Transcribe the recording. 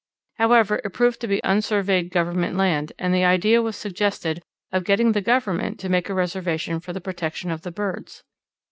However, it proved to be unsurveyed Government land, and the idea was suggested of getting the Government to make a reservation for the protection of the birds.